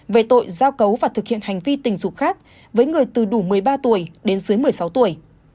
về tội giao cấu và thực hiện hành vi tình dục khác với người từ đủ một mươi ba tuổi đến dưới một mươi sáu tuổi